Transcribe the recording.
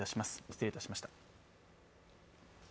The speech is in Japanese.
失礼いたしました。